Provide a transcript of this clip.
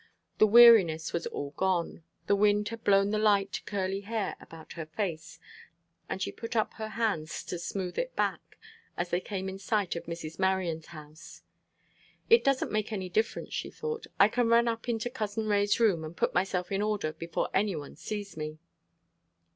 The weariness was all gone. The wind had blown the light, curly hair about her face, and she put up her hands to smooth it back, as they came in sight of Mrs. Marion's house. "It doesn't make any difference," she thought. "I can run up into Cousin Ray's room and put myself in order before any one sees me."